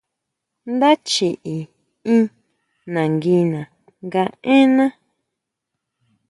Ndá chiʼi in nanguina nga énná.